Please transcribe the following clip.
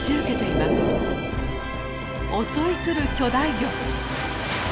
襲い来る巨大魚。